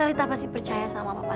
ya talitha pasti percaya sama papa